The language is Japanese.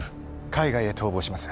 海外へ逃亡します